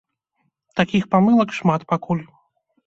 Такіх памылак шмат пакуль.